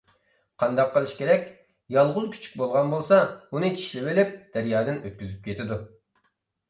قانداق قىلىش كېرەك؟ يالغۇز كۈچۈك بولغان بولسا ئۇنى چىشلىۋېلىپ دەريادىن ئۆتكۈزۈپ كېتىدۇ.